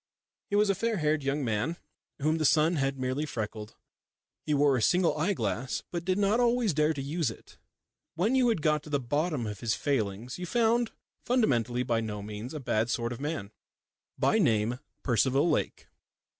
He was a fair haired young man whom the sun had merely freckled. He wore a single eye glass, but did not always dare to use it. When you had got to the bottom of his failings you found fundamentally by no means a bad sort of man, by name Percival Lake.